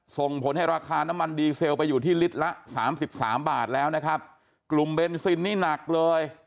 ส่งผลให้ราคาน้ำมันดีเซลไปอยู่ที่ลิตรละสามสิบสามบาทแล้วนะครับกลุ่มเบนซินนี่หนักเลย